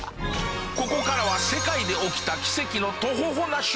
ここからは世界で起きた奇跡のトホホな瞬間ランキング。